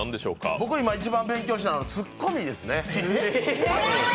僕、今、一番勉強していたのはツッコミですね。